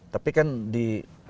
tapi kan di